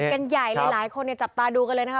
กันใหญ่หลายคนจับตาดูกันเลยนะคะ